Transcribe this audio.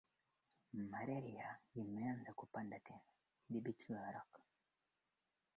Lugha yao ni Kinyakyusa Makundi haya mawili pamoja na kuwa makibali tofauti